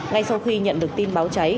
ngay sau khi nhận được tin báo cháy